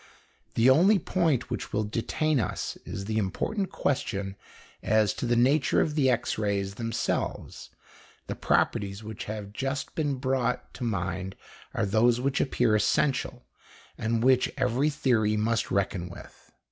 The only point which will detain us is the important question as to the nature of the X rays themselves; the properties which have just been brought to mind are those which appear essential and which every theory must reckon with.